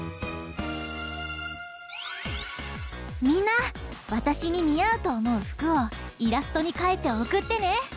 みんなわたしににあうとおもうふくをイラストにかいておくってね！